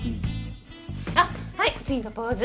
あはい次のポーズ。